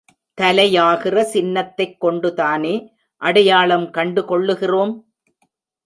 தலையாகிற சின்னத்தைக் கொண்டுதானே அடையாளம் கண்டு கொள்ளுகிறோம்?